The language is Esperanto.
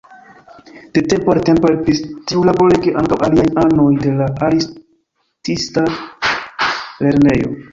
De tempo al tempo helpis tiulaborege ankaŭ aliaj anoj de la artista lernejo.